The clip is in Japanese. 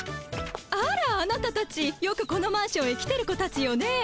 あらあなたたちよくこのマンションへ来てる子たちよね？